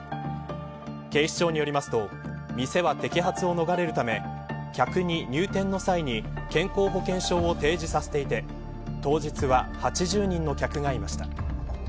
警視庁によりますと店は摘発を逃れるため客に入店の際に健康保険証を提示させていて当日は、８０人の客がいました。